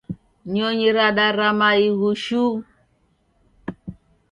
Nyonyi radarama ighu shuu.